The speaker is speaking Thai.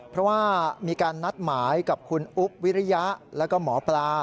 เพราะว่ามีการนัดหมายกับคุณอุ๊บวิริยะแล้วก็หมอปลา